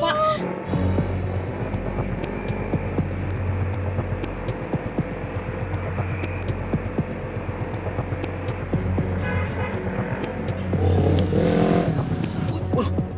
tahan ya pak